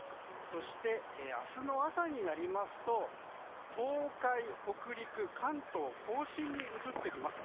そして、明日の朝になりますと東海・北陸、関東・甲信に移ってきます。